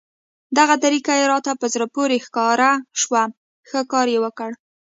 دغه طریقه یې راته په زړه پورې ښکاره شوه، ښه کار یې وکړ.